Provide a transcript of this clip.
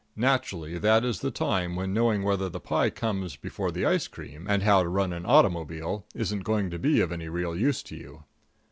Naturally, that is the time when knowing whether the pie comes before the ice cream, and how to run an automobile isn't going to be of any real use to you.